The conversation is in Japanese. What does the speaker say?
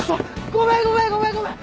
ごめんごめんごめんごめん！